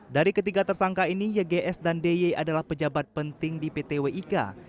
dari ketiga tersangka ini ygs dan dy adalah pejabat penting di pt wika